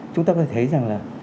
chúng ta có thể thấy rằng là